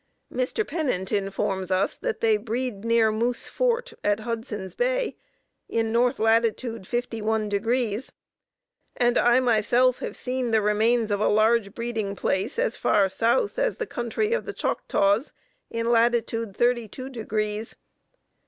Mr. Pennant informs us that they breed near Moose Fort, at Hudson's Bay, in N. latitude 51 degrees, and I myself have seen the remains of a large breeding place as far south as the country of the Choctaws, in latitude 32 degrees.